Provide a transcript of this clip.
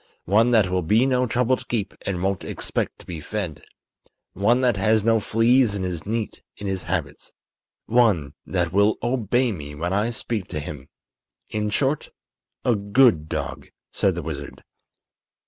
One that will be no trouble to keep and won't expect to be fed. One that has no fleas and is neat in his habits. One that will obey me when I speak to him. In short, a good dog," said the wizard.